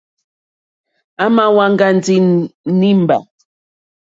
À mà wá ŋɡá ndí nǐmbà.